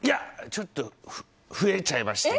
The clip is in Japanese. ちょっと、増えちゃいました。